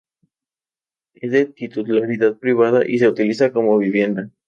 Es de titularidad privada y se utiliza como vivienda.